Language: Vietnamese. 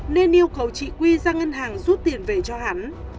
nên yêu cầu chị quy ra ngân hàng rút tiền về cho hắn